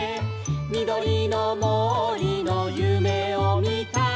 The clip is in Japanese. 「みどりのもりのゆめをみた」